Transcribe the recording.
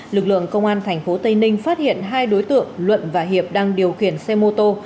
lực lượng công an tp tây ninh phát hiện hai đối tượng luận và hiệp đang điều khiển xe mô tô